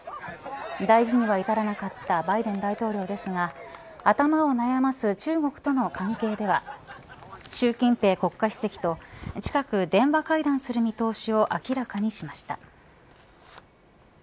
大事には至らなかったバイデン大統領ですが頭を悩ます中国との関係では習近平国家主席と近く電話会談する見通しを明らかにしました。